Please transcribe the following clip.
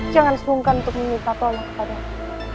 jangan sungkan untuk meminta tolong kepadamu